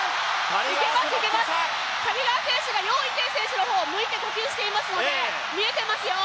谷川選手が余依テイ選手の方を向いて呼吸してますので見えてますよ！